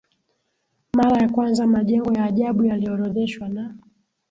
Mara ya kwanza majengo ya ajabu yaliorodheshwa na